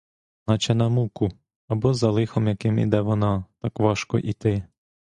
Наче на муку або за лихом яким іде вона — так важко іти.